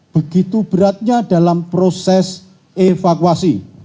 begitu beratnya dalam proses evakuasi